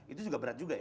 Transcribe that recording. itu juga berat juga ya